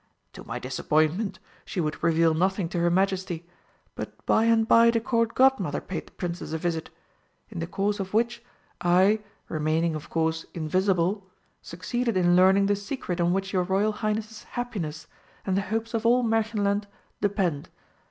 To my disappointment, she would reveal nothing to Her Majesty, but by and by the Court Godmother paid the Princess a visit, in the course of which I, remaining, of course, invisible, succeeded in learning the secret on which your Royal Highness's happiness and the hopes of all Märchenland depend.